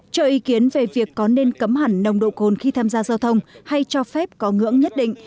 cho ý kiến về việc có nên cấm hẳn nồng độ cồn khi tham gia giao thông hay cho phép có ngưỡng nhất định